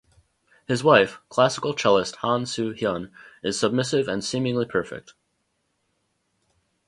His wife, classical cellist Han Soo-hyun, is submissive and seemingly perfect.